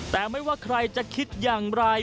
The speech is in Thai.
แต่ไม่ว่าใครจะคิดอย่างไร